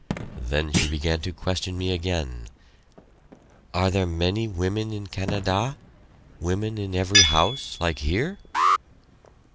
Then she began to question me again. "Are there many women in Canada women in every house like here?"